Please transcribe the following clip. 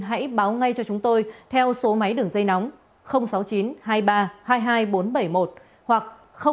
hãy báo ngay cho chúng tôi theo số máy đường dây nóng sáu mươi chín hai mươi ba hai mươi hai bốn trăm bảy mươi một hoặc sáu mươi chín hai mươi ba hai mươi một sáu trăm sáu mươi bảy